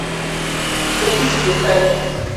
Idhi tugo Kanye?